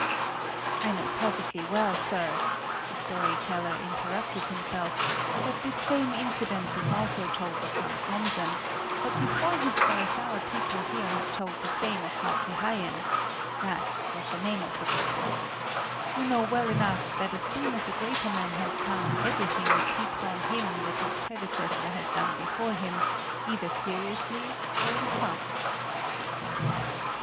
I know perfectly well, sir, the story teller interrupted himself, that this same incident is also told of Hans Mommsen, but before his birth our people here have told the same of Hauke Haien that was the name of the boy. You know well enough that as soon as a greater man has come, everything is heaped on him that his predecessor has done before him, either seriously or in fun.